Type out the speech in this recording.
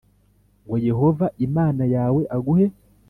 ngo Yehova Imana yawe aguhe